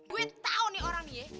gue tahu nih orang nih ye